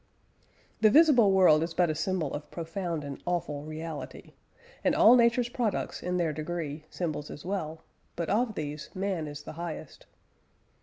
The visible world is but a symbol of a profound and awful reality; and all Nature's products, in their degree, symbols as well: but of these, man is the highest.